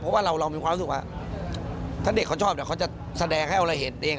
เพราะว่าเรามีความรู้สึกว่าถ้าเด็กเขาชอบเดี๋ยวเขาจะแสดงให้เราเห็นเอง